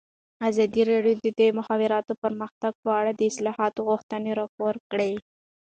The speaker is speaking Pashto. ازادي راډیو د د مخابراتو پرمختګ په اړه د اصلاحاتو غوښتنې راپور کړې.